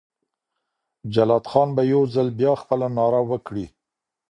جلات خان به یو ځل بیا خپله ناره وکړي.